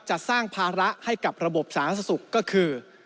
จะสร้างภาระให้กับระบบสาธารณสุขก็คือ